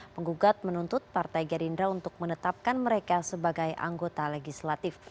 penggugat menuntut partai gerindra untuk menetapkan mereka sebagai anggota legislatif